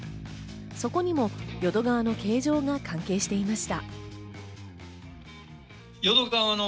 そこにも淀川の形状が関係していました。